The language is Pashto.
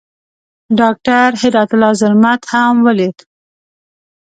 ډاکټر هرات الله زرمت هم ولید.